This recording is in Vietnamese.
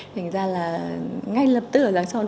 thành ra là ngay lập tức là giang son